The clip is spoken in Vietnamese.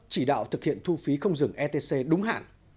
chỉ đạo thực hiện thu phí không dừng etc đúng hạn